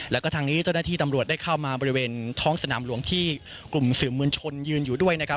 แล้วก็ทางนี้เจ้าหน้าที่ตำรวจได้เข้ามาบริเวณท้องสนามหลวงที่กลุ่มสื่อมวลชนยืนอยู่ด้วยนะครับ